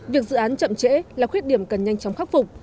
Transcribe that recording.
việc dự án chậm trễ là khuyết điểm cần nhanh chóng khắc phục